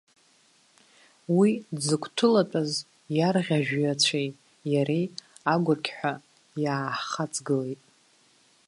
Уи дзыгәҭылатәаз иарӷьажәҩацәеи иареи агәырқь ҳәа иааҳхаҵгылеит.